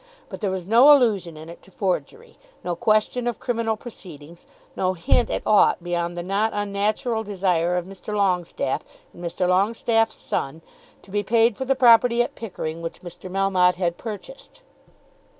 But there was no allusion in it to forgery; no question of criminal proceedings; no hint at aught beyond the not unnatural desire of Mr. Longestaffe and Mr. Longestaffe's son to be paid for the property at Pickering which Mr. Melmotte had purchased.